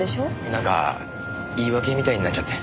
なんか言い訳みたいになっちゃって。